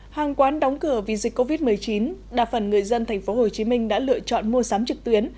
hàng quán đóng cửa vì dịch covid một mươi chín đa phần người dân tp hcm đã lựa chọn mua sắm trực tuyến